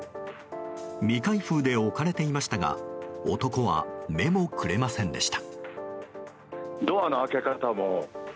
未開封で置かれていましたが男は目もくれませんでした。